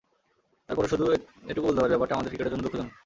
তার পরও শুধু এটুকু বলতে পারি, ব্যাপারটা আমাদের ক্রিকেটের জন্য দুঃখজনক।